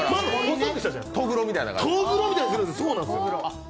とぐろみたいにするんですよ。